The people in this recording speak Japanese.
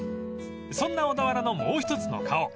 ［そんな小田原のもう一つの顔